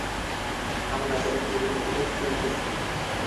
Hamma narsadan umidimni uzib, tushkunlikka tushdim.